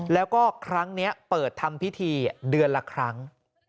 แล้วก็ครั้งนี้เปิดทำพิธีเดือนละครั้ง